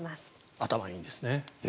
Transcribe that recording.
頭がいいんですね。